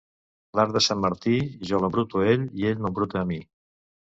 L'arc de Sant Martí, jo l'embruto a ell i ell m'embruta a mi.